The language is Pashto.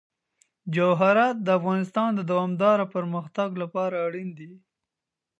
جواهرات د افغانستان د دوامداره پرمختګ لپاره اړین دي.